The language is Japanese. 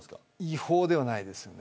違法ではないです。